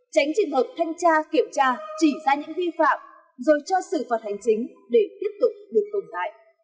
tránh trường hợp thanh tra kiểm tra chỉ ra những vi phạm rồi cho xử phạt hành chính để tiếp tục được tồn tại